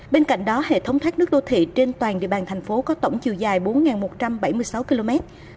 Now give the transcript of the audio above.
bên cạnh đó hệ thống thoát nước đô thị trên toàn địa bàn thành phố có tổng chiều dài bốn một trăm bảy mươi sáu km